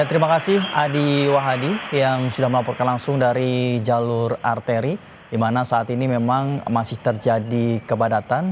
terima kasih adi wahadi yang sudah melaporkan langsung dari jalur arteri di mana saat ini memang masih terjadi kepadatan